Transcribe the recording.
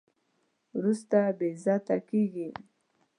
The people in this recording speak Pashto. وروسته بې عزته کېږي.